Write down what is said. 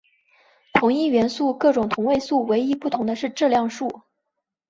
同一元素各种同位素唯一不同的是质量数。